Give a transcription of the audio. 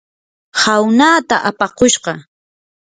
hawnaata apakushqa.